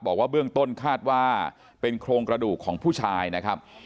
บอกว่าเบื้องต้นคาดว่าเป็นโครงกระดูกของผู้ชายนะครับ